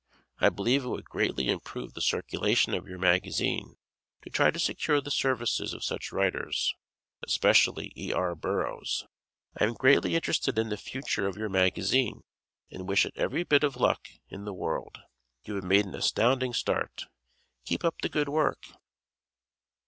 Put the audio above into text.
I believe it would greatly improve the circulation of your magazine to try to secure the services of such writers (especially E. R. Burroughs). I am greatly interested in the future of your magazine and wish it every bit of luck in the world. You have made an astounding start. Keep up the good work.